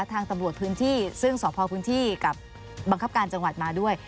ทางตำรวจพื้นที่ซึ่งสพพื้นที่กับบังคับการจังหวัดมาด้วย